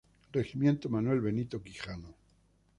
Regimiento Manuel Benito Quijano.